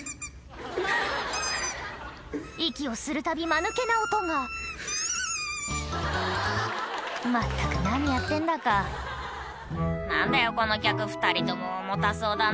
息をするたびマヌケな音がまったく何やってんだか「何だよこの客２人とも重たそうだな」